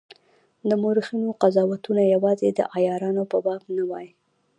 د مورخینو قضاوتونه یوازي د عیارانو په باب نه وای.